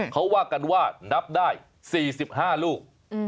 เขาว่ากันว่านับได้๔๕ลูก